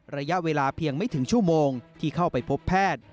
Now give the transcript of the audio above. ระยะเวลาเพียงไม่ถึงชั่วโมงที่เข้าไปพบแพทย์